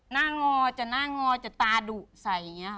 งอจะหน้างอจะตาดุใส่อย่างนี้ค่ะ